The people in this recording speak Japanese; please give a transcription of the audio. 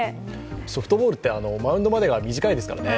ソフトボールってマウンドまでが短いですからね。